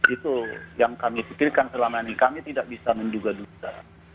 itu yang kami pikirkan selama ini kami tidak bisa menduga duga